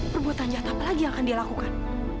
perbuatan jahat apa lagi yang akan dia lakukan